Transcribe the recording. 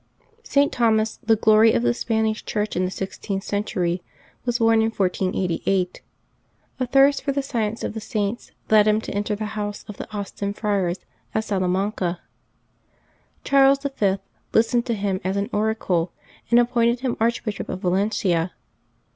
[t. Thomas, the glory of the Spanish Church in the six teenth century, was born in 1488. A thirst for the science of the Saints led him to enter the house of the Austin Friars at Salamanca. Charles V. listened to him as an oracle, and appointed him Archbishop of Valencia.